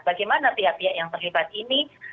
bagaimana pihak pihak yang terlibat ini